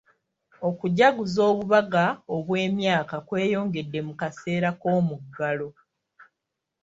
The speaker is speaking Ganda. Okujaguza obubaga obw'emyaka kweyongedde mu kaseera k'omuggalo.